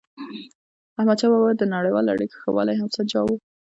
احمدشاه بابا به د نړیوالو اړیکو ښه والی هم سنجاوو.